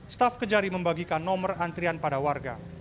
staf kejari membagikan nomor antrian pada warga